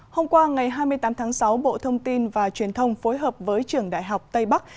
hôm qua ngày hai mươi tám tháng sáu bộ thông tin và truyền thông phối hợp với trường đại học tây bắc